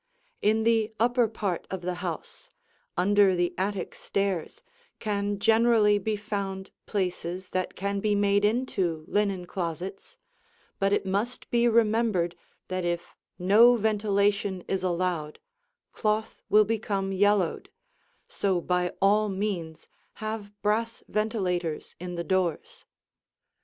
In the upper part of the house, under the attic stairs, can generally be found places that can be made into linen closets, but it must be remembered that if no ventilation is allowed, cloth will become yellowed, so by all means have brass ventilators in the doors.